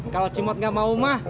kalau cimot nggak mau mah